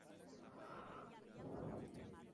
Se juega en superficie dura.